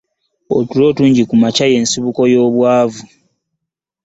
Otulo otungi kumakya y'ensibuko y'obwavu.